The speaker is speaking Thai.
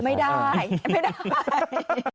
ไม่ได้ไม่ได้